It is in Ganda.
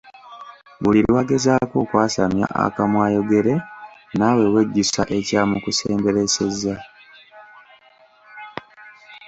Buli lwagezaako okwasamya akamwa ayogere naawe wejjusa ekyamukusemberesezza.